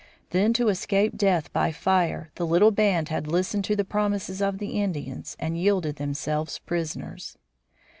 Then to escape death by fire the little band had listened to the promises of the Indians and yielded themselves prisoners.